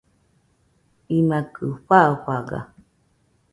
imakɨ fafaga